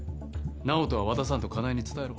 直人は渡さんと香奈江に伝えろ。